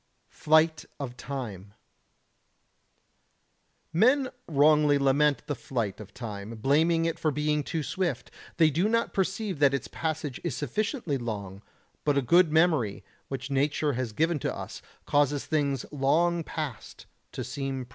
[Sidenote: Flight of Time] 93. Men wrongly lament the flight of time, blaming it for being too swift; they do not perceive that its passage is sufficiently long, but a good memory, which nature has given to us, causes things long past to seem present.